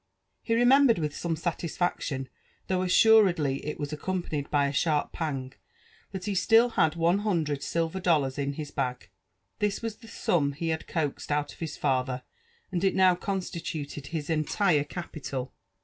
He remembered with some satisfaction, though assuredly it was ao eompanied by a sharp pang, that he still liad one hundred silver dollars in his bag. This was the sum he had coaxed out of his father, and U now constituted his entire capital.